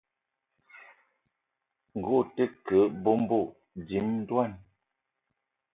Ngue ute ke bónbô, dím ndwan